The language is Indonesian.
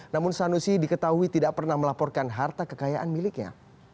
namun sanusi diketahui tidak pernah melaporkan harta kekayaan miliknya